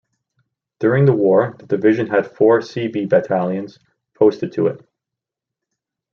During the war the division had four Seabee Battalions posted to it.